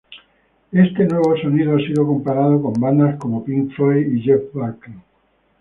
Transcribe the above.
Este nuevo sonido ha sido comparado con bandas como Pink Floyd y Jeff Buckley.